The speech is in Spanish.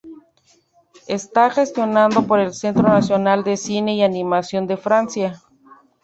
Está gestionado por el Centro Nacional de cine y animación de Francia.